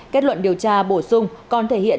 kết luận điều tra bổ sung còn thể hiện